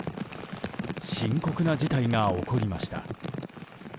深刻な事態が起こりました。